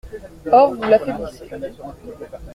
Or, vous l’affaiblissez.